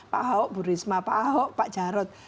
pak ahok bu risma pak ahok pak jarod